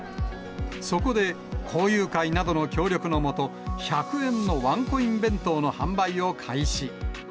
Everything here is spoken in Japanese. そこで校友会などの協力の下、１００円のワンコイン弁当の販売を開始。